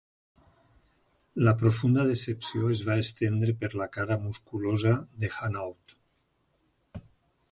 La profunda decepció es va estendre per la cara musculosa de Hanaud.